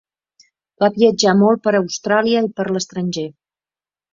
Va viatjar molt per Austràlia i per l'estranger.